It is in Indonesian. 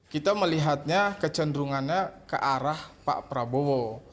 kita melihatnya kecenderungannya ke arah pak prabowo